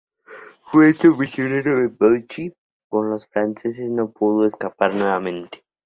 Fue hecho prisionero en Belchite por los franceses, pero pudo escapar nuevamente.